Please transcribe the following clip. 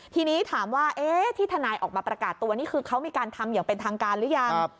ทีนี้ถามว่าที่ทนายออกมาประกาศตัวนี่คือเขามีการทำอย่างเป็นทางการหรือยัง